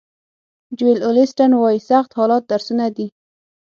جویل اولیسټن وایي سخت حالات درسونه دي.